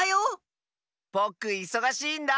ぼくいそがしいんだ。